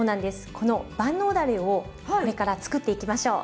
この万能だれをこれからつくっていきましょう。